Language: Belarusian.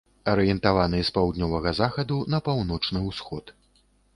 Арыентаваны з паўднёвага захаду на паўночны ўсход.